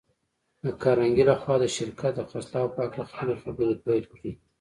د کارنګي لهخوا د شرکت د خرڅلاو په هکله خپلې خبرې پيل کړې.